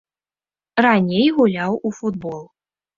Раней гуляў у футбол.